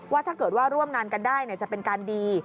ถ้าเกิดว่าร่วมงานกันได้จะเป็นการดี